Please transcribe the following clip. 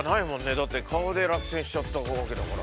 だって顔で落選しちゃったわけだから。